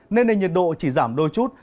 nên nền nhiệt độ chỉ giảm đôi chút